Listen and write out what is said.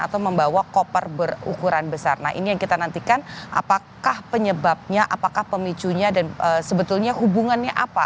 atau membawa koper berukuran besar nah ini yang kita nantikan apakah penyebabnya apakah pemicunya dan sebetulnya hubungannya apa